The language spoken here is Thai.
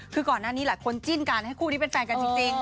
คือก่อนหน้านี้หลายคนจิ้นกันให้คู่นี้เป็นแฟนกันจริง